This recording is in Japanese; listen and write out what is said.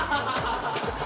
ハハハハ！